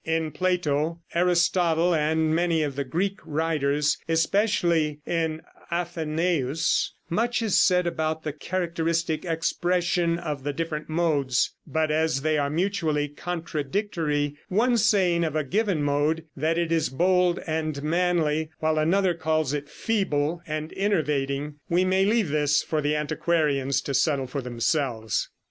In Plato, Aristotle and many of the Greek writers, especially in Athenæus, much is said about the characteristic expression of the different modes, but as they are mutually contradictory, one saying of a given mode that it is bold and manly, while another calls it feeble and enervating, we may leave this for the antiquarians to settle for themselves.